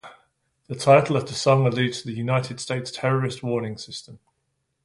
The title of the song alludes to the United States terrorist warning system.